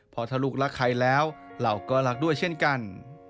เพราะถ้าลูกรักใครแล้วเราก็รักด้วยเช่นกัน